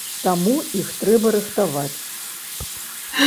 Таму, іх трэба рыхтаваць.